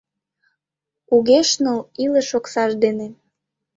Кугешныл илыш оксаж дене...